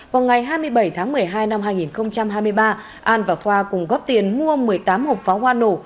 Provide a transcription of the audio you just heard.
vào ngày hai mươi bảy tháng một mươi hai năm hai nghìn hai mươi ba an và khoa cùng góp tiền mua một mươi tám hộp pháo hoa nổ